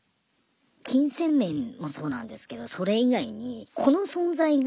金銭面もそうなんですけどそれ以外に子の存在が。